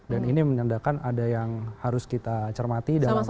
dan ini menandakan ada yang harus kita cermati dalam ekonomi kita